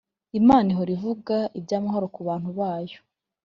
Imana ihora ivuga iby’amahoro ku bantu bayo